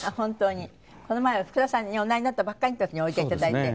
この前は福田さんにおなりになったばっかりの時においで頂いて。